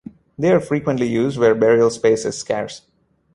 They are frequently used where burial space is scarce.